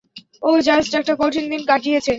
ও just একটা কঠিন দিন কাটিয়েছে।